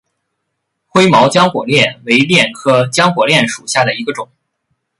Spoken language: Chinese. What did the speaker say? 灰毛浆果楝为楝科浆果楝属下的一个种。